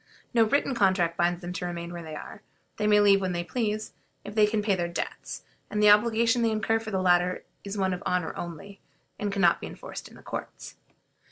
No written contract binds them to remain where they are; they may leave when they please, if they can pay their debts; and the obligation they incur for the latter is one of honor only, and can not be enforced in the courts.